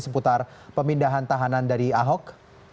seputar pemindahan tahanan dari ahok